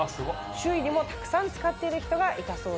周囲にもたくさん使っている人がいたそうです。